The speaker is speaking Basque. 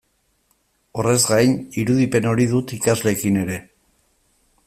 Horrez gain, irudipen hori dut ikasleekin ere.